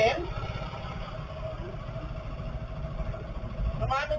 เธอต้องมาโทรบอกใครหรอก